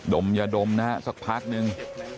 ดมยะดมนะฮะสักพักหนึ่ง